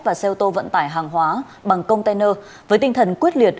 và xe ô tô vận tải hàng hóa bằng container với tinh thần quyết liệt